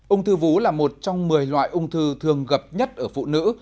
ung thư vú là một trong một mươi loại ung thư thường gặp nhất ở phụ nữ